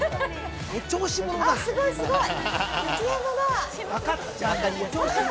あすごいすごい。